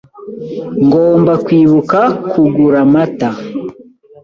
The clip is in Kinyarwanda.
Ngomba kwibuka kugura amata.